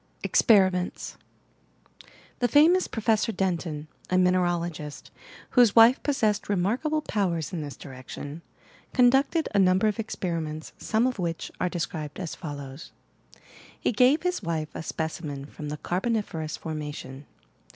EXPEBIMBNT9 The famous Professor Denton, a mineralogist, whose wife possessed remarkable powers in this direction, con ducted a number of experiments some of which are described as follows: lie gave his wife a specimen from the carboniferous formation.